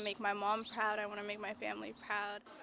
saya ingin membuat keluarga saya bangga